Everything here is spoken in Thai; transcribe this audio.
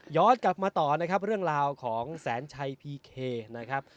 กลับมาต่อนะครับเรื่องราวของแสนชัยพีเคนะครับ